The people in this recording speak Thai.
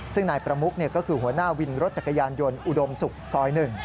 ซึ่งนายประมุกก็คือหัวหน้าวินรถจักรยานยนต์อุดมศุกร์ซอย๑